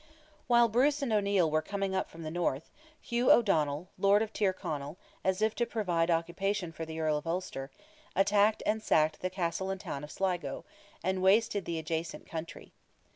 While Bruce and O'Neil were coming up from the north, Hugh O'Donnell, lord of Tyrconnell, as if to provide occupation for the Earl of Ulster, attacked and sacked the castle and town of Sligo, and wasted the adjacent country.